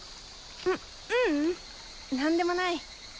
うううん何でもない。